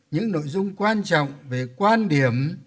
những nội dung quan trọng về quan điểm